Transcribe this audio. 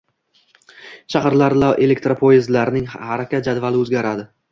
Shaharlararo elektropoyezdlarning harakat jadvali o‘zgarading